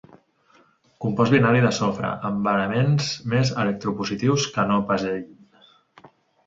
Compost binari del sofre amb elements més electropositius que no pas ell.